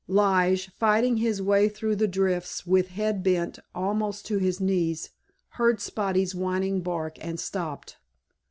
Lige, fighting his way through the drifts with head bent almost to his knees, heard Spotty's whining bark and stopped.